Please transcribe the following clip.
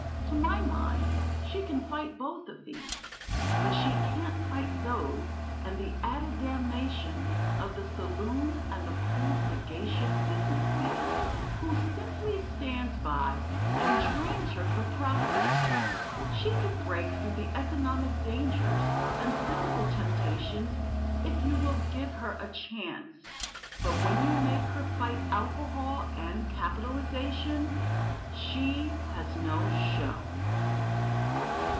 To my mind she can fight both of these, but she can't fight those and the added damnation of the saloon and the cool, sagacious business man, who simply stands by and drains her for profit. She could break through the economic dangers and the physical temptations if you will give her a chance, but when you make her fight alcohol and capitalisation, she has no show."